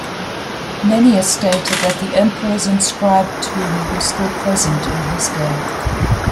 Nennius stated that the emperor's inscribed tomb was still present in his day.